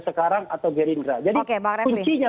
sekarang atau gerindra jadi kursinya